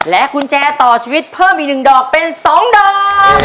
และคุณแจต่อชีวิตเพิ่มอีกหนึ่งดอกเป็น๒ดอก